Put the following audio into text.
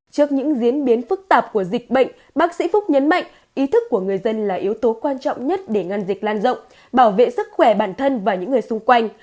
trước những diễn biến phức tạp của dịch bệnh bác sĩ phúc nhấn mạnh ý thức của người dân là yếu tố quan trọng nhất để ngăn dịch lan rộng bảo vệ sức khỏe bản thân và những người xung quanh